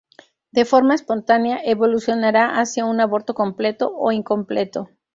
De forma espontánea, evolucionará hacia un aborto completo o incompleto.